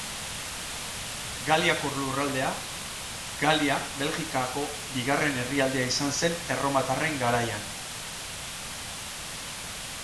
Galiako lurraldea, Galia Belgikako bigarren herrialdea izan zen erromatarren garaian.